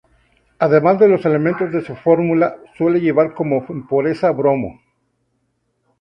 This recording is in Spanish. Además de los elementos de su fórmula, suele llevar como impureza bromo.